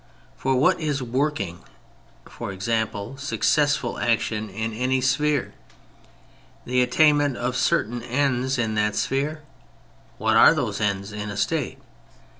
For what is ^^ working," i. e. successful action, in any spliere ? The attainment of certain ends in that sphere. What are those ends in a State